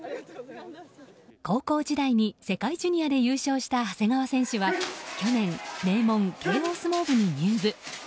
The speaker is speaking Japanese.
高校時代に世界ジュニアで優勝した長谷川選手は去年、名門・慶應相撲部に入部。